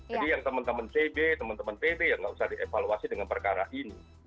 jadi yang teman teman cb teman teman pb ya tidak usah dievaluasi dengan perkara ini